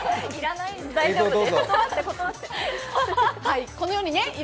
大丈夫です。